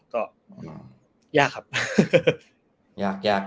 ขนาดนี้แย่กับ